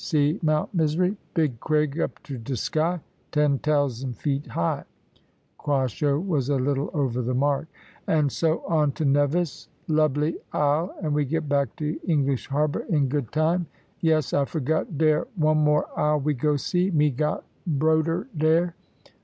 See Mount Misery big craig up to de sky, ten tousand feet high," (Quasho was a little over the mark), "and so on to Nevis lubly isle, and we get back to English Harbour in good time. Yes; I forgot dere one more isle we go see. Me got broder dere.